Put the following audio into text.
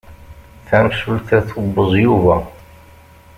Tamsulta tubeẓ Yuba.